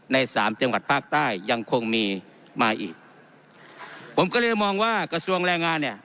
สามจังหวัดภาคใต้ยังคงมีมาอีกผมก็เลยมองว่ากระทรวงแรงงานเนี่ย